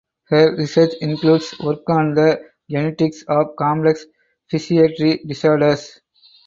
His research includes work on the genetics of complex psychiatric disorders.